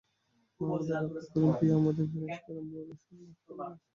মা আমাদের রক্ষা করেন, প্রিয়া আমাদের বিনাশ করেন– বড়ো সুন্দর সেই বিনাশ।